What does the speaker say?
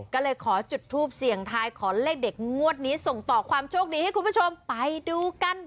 ก็เลยขอจุดทูปเสี่ยงทายขอเลขเด็ดงวดนี้ส่งต่อความโชคดีให้คุณผู้ชมไปดูกัน